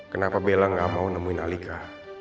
kenapa bella gak mau nemuin alika